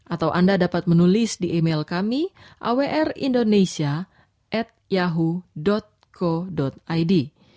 atau anda dapat menulis di email kami awrindonesia yahoo co id